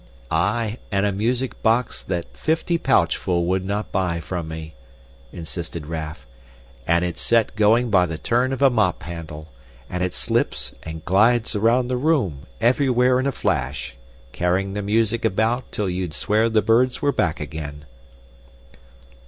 "Aye, and a music box that fifty pouchful would not buy from me," insisted Raff. "And it's set going by the turn of a mop handle, and it slips and glides around the room, everywhere in a flash, carrying the music about till you'd swear the birds were back again."